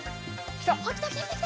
きた！